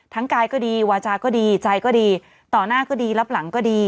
กายก็ดีวาจาก็ดีใจก็ดีต่อหน้าก็ดีรับหลังก็ดี